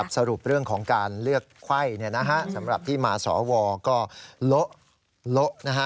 สรุปเรื่องของการเลือกไข้สำหรับที่มาสวก็โละนะฮะ